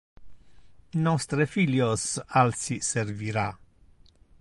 Nostre filios alsi servira.